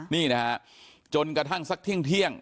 นี่นะฮะจนกระทั่งซักเที่ยงเที่ยง